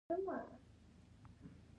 د ماڼۍ دهلیز ته ورغلو.